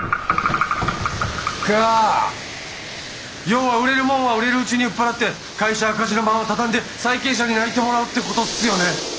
が要は売れるもんは売れるうちに売っ払って会社赤字のまま畳んで債権者に泣いてもらおうってことっすよね。